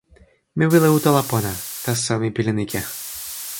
mi wile utala pona. taso mi pilin ike.